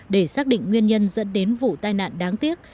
để xác định nguyên nhân dẫn đến vụ tai nạn đáng tiếc